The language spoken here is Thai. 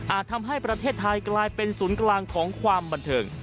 ทำให้ประเทศไทยกลายเป็นศูนย์กลางของความบันเทิง